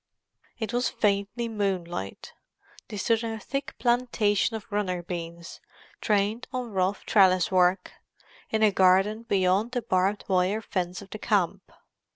It was faintly moonlight. They stood in a thick plantation of runner beans, trained on rough trellis work, in a garden beyond the barbed wire fence of the camp.